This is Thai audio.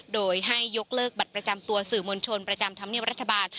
โดยให้ยกเลิกบัตรประจำตัวสื่อมวลชนประจำธรรมเนียบรัฐบาล